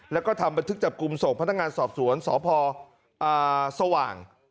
แล้วก็ไปไปซึกจับกลุ่มส่งพันธกรรมสอบสวนสภสว่าง